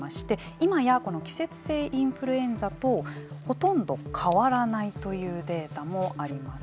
今やこの季節性インフルエンザとほとんど変わらないというデータもあります。